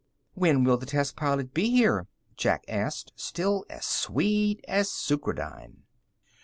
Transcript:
"When will the test pilot be here?" Jack asked, still as sweet as sucrodyne.